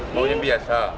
mau yang biasa